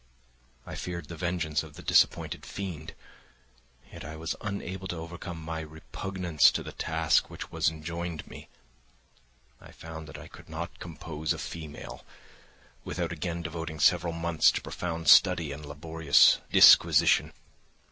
I feared the vengeance of the disappointed fiend, yet I was unable to overcome my repugnance to the task which was enjoined me. I found that I could not compose a female without again devoting several months to profound study and laborious disquisition.